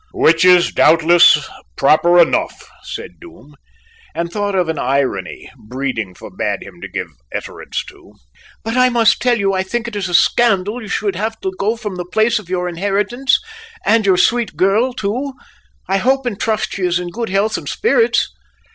"Which is doubtless proper enough," said Doom, and thought of an irony breeding forbade him to give utterance to. "But I must tell you I think it is a scandal you should have to go from the place of your inheritance; and your sweet girl too! I hope and trust she is in good health and spirits?"